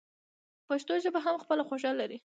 پښتو ژبه هم خپله خوږه لري.